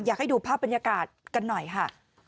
อยากให้ดูภาพบรรยากาศกันหน่อยค่ะ